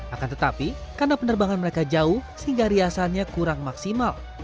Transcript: akan tetapi karena penerbangan mereka jauh sehingga riasannya kurang maksimal